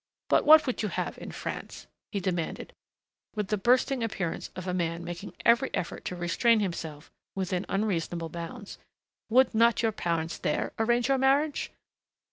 But what would you have in France?" he demanded with the bursting appearance of a man making every effort to restrain himself within unreasonable bounds. "Would not your parents there arrange your marriage?